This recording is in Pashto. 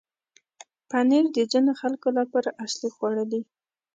پنېر د ځینو خلکو لپاره اصلي خواړه دی.